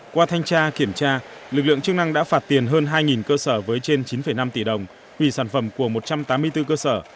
qua thanh tra kiểm tra lực lượng chức năng đã phạt tiền hơn hai cơ sở với trên chín năm tỷ đồng vì sản phẩm của một trăm tám mươi bốn cơ sở